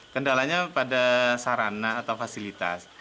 kendalanya pada sarana atau fasilitas